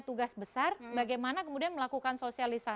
mungkin ada sepertinya banyak kesalahan